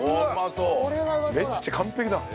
めっちゃ完璧だ。